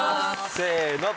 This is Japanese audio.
せの。